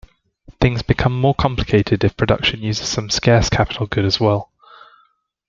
Things become more complicated if production uses some scarce capital good as well.